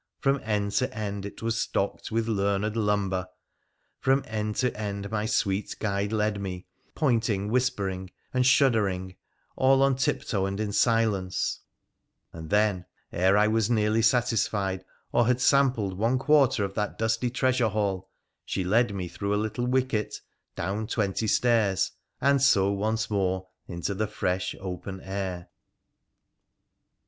Fron end to end it was stocked with learned lumber ; from end tc end my sweet guide led me, pointing, whispering, and shud dering, all on tip toe and in silence ; and then, ere I was nearly satisfied, or had sampled one quarter of that dustj treasure hall, she led me through a little wicket, down twenty stairs, and so once more into the fresh open air.